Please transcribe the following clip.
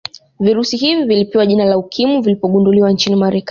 Virusi hivi vilipewa jina la ukimwi vilipogunduliwa nchini marekani